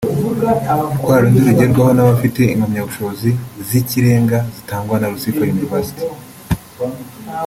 rwarundi rugerwaho n’abafite impamyabushobozi z’ikirenga zitangwa na Lucifer University